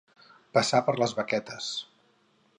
Passar per les baquetes.